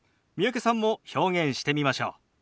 三宅さんも表現してみましょう。